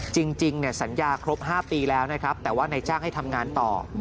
จริงสัญญาครบ๕ปีแล้วนะครับแต่ว่านายจ้างให้ทำงานต่อ